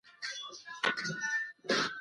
هغه وویل چې ټولنيزې شبکې ذهنونه روښانه کوي.